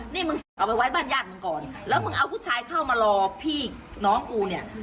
นี่มึงเอาไปไว้บ้านญาติมึงก่อนแล้วมึงเอาผู้ชายเข้ามารอพี่น้องกูเนี่ย